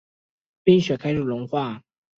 冰雪开始融化